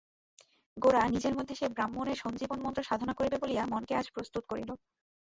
গোরা নিজের মধ্যে সেই ব্রাহ্মণের সঞ্জীবন-মন্ত্র সাধনা করিবে বলিয়া মনকে আজ প্রস্তুত করিল।